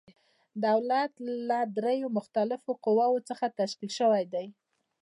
دولت له دریو مختلفو قواوو څخه تشکیل شوی دی.